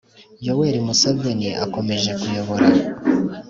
yoweri museveni yakomeje kuyobora